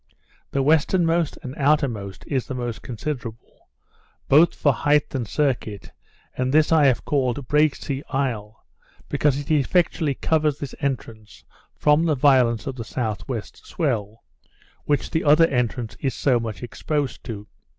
The westernmost and outermost is the most considerable, both for height and circuit, and this I have called Break sea Isle, because it effectually covers this entrance from the violence of the southwest swell, which the other entrance is so much exposed to.